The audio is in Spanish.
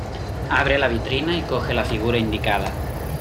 Abre la vitrina y coge la figura indicada.